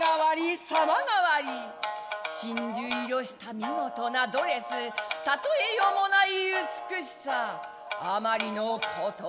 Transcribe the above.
真珠色した見事なドレスたとえよもない美しさあまりのことに！